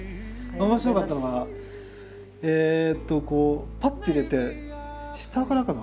面白かったのがえっとこうパッて入れて下からかな？